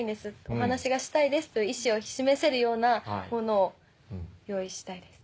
お話がしたいですという意思を示せるようなものを用意したいです。